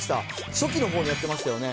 初期のころにやってましたよね。